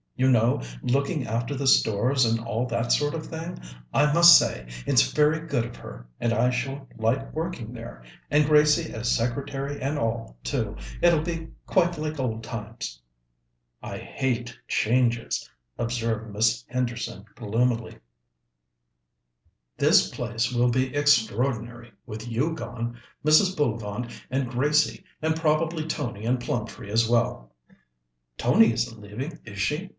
You know, looking after the stores and all that sort of thing. I must say, it's very good of her, and I shall like working there and Gracie as secretary and all, too. It'll be quite like old times." "I hate changes," observed Miss Henderson gloomily. "This place will be extraordinary, with you gone, Mrs. Bullivant, and Gracie, and probably Tony and Plumtree as well." "Tony isn't leaving, is she?"